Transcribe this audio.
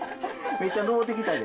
めっちゃ登ってきたで。